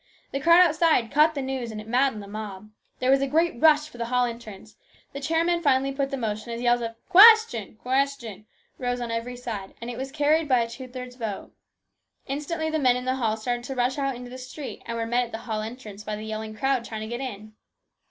The crowd outside caught the news and it maddened the mob. There was a great rush for the hall entrance. The chairman finally put the motion as yells of " Question !"" Question !" rose on every side, and it was carried by a two thirds vote. Instantly the men in the hall started to rush out into the street, and were met at the hall entrance by the yelling crowd trying to get in.